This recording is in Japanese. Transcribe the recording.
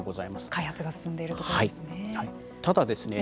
開発が進んでいるところですね。